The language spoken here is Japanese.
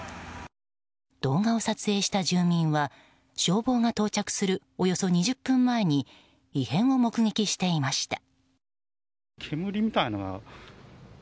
動画を撮影した住民は消防が到着するおよそ２０分前に異変を目撃していました。